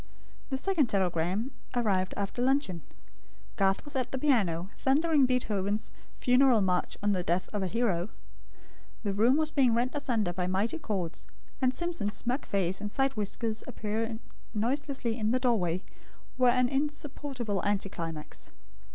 The second telegram arrived after luncheon. Garth was at the piano, thundering Beethoven's Funeral March on the Death of a Hero. The room was being rent asunder by mighty chords; and Simpson's smug face and side whiskers appearing noiselessly in the doorway, were an insupportable anticlimax.